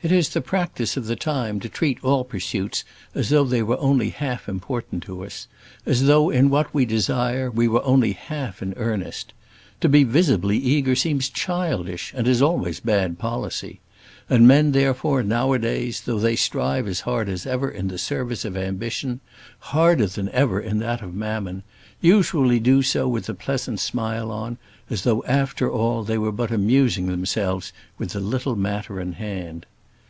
It is the practice of the time to treat all pursuits as though they were only half important to us, as though in what we desire we were only half in earnest. To be visibly eager seems childish, and is always bad policy; and men, therefore, nowadays, though they strive as hard as ever in the service of ambition harder than ever in that of mammon usually do so with a pleasant smile on, as though after all they were but amusing themselves with the little matter in hand.